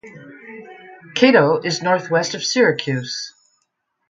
Cato is northwest of Syracuse.